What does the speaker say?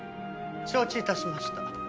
承知致しました。